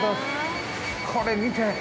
これ見て。